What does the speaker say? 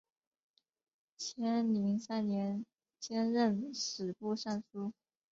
干宁三年兼任吏部尚书。